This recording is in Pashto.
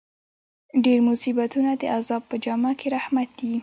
ډېر مصیبتونه د عذاب په جامه کښي رحمت يي.